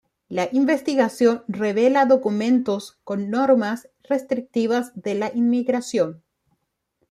La investigación revela documentos con normas restrictivas de la inmigración.